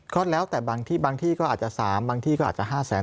ก็แล้วแต่บางที่ก็อาจจะ๓บางที่๕แสน